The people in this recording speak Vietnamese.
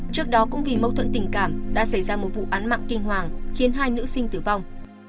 trước đó cũng vì mâu thuẫn tình cảm đã xảy ra một vụ án mạng kinh hoàng khiến hai nữ sinh tử vong